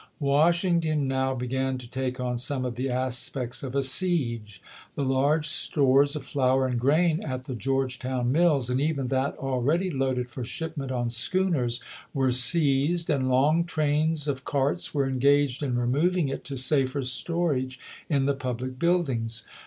Washington now began to take on some of the aspects of a siege. The large stores of flour and grain at the Georgetown mills, and even that already loaded for shipment on schooners, were seized, and long trains of carts were engaged in removing it to safer storage in the j)ublic build ings.